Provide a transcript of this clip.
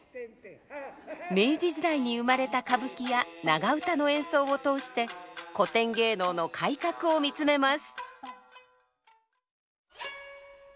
明治時代に生まれた歌舞伎や長唄の演奏を通して古典芸能の改革を見つめます。